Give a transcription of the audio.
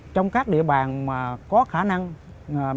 trong các địa bàn mà có khả năng xác minh thông tin